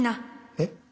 えっ？